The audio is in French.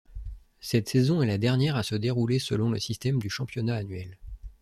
Cette saison est la dernière à se dérouler selon le système du championnat annuel.